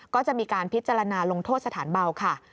ก็จะมีการพิจารณาลงโทษสถานเบาค่ะ